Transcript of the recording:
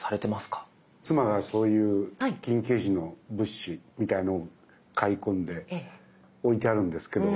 妻がそういう緊急時の物資みたいなのを買い込んで置いてあるんですけど。